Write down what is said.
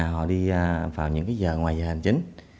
họ đi vào những giờ ngoài giờ hành chính